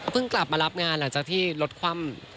เพิ่งกลับมารับงานหลังจากที่ลดความ